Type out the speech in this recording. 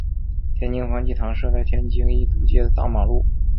天津方济堂设在天津意租界大马路。